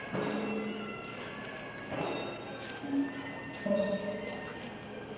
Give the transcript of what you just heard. สวัสดีครับทุกคน